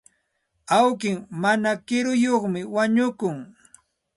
Awki mana kiruyuqmi wañukun.